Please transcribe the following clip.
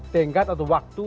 tengkat atau waktu